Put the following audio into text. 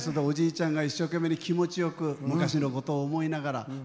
おじいちゃんが一生懸命に気持ちよく昔のことを思いながら。